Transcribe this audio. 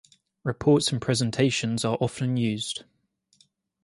Reports and presentations are often used.